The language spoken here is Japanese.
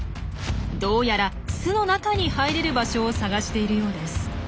どうやら巣の中に入れる場所を探しているようです。